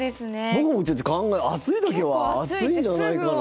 僕もちょっと、暑い時は暑いんじゃないかなって。